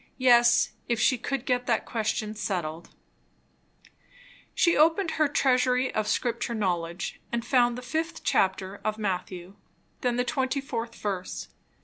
Yes, if she could get that question settled She opened her "Treasury of Scripture Knowledge" and found the fifth chapter of Matthew; then the 24th verse.